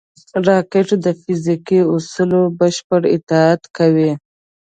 راکټ د فزیکي اصولو بشپړ اطاعت کوي